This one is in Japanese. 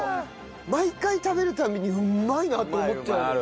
毎回食べる度にうまいなと思っちゃうの。